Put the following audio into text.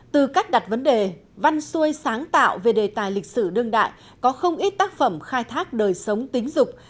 từ cách đặt vấn đề văn xuôi sáng tạo về đề tài lịch sử đương đại có không ít tác phẩm khai thác đời sống tính dục